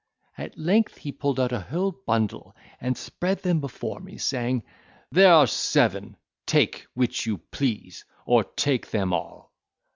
At length he pulled out a whole bundle, and spread them before me, saying, "There are seven—take which you please—or take them all."